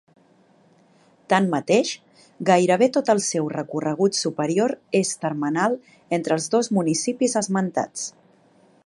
Tanmateix, gairebé tot el seu recorregut superior és termenal entre els dos municipis esmentats.